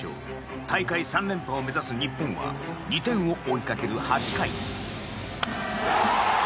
大会３連覇を目指す日本は２点を追いかける８回。